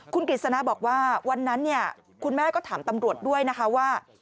คุณกฤษณะบอกว่าวันนั้นคุณแม่ก็ถามตำรวจด้วยนะคะว่า